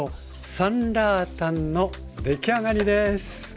サンラータンの出来上がりです。